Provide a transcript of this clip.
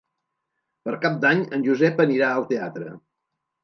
Per Cap d'Any en Josep anirà al teatre.